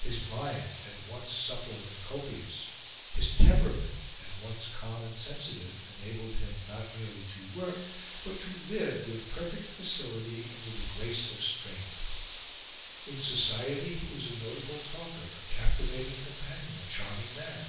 His mind, at once supple and copious, his temperament, at once calm and sensitive, enabled him not merely to work, but to live with perfect facility and with the grace of strength. In society he was a notable talker, a captivating companion, a charming man.